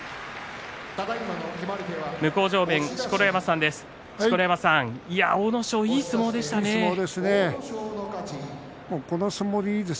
向正面、錣山さんです。